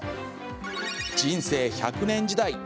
人生１００年時代。